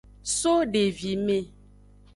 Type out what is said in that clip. So devime.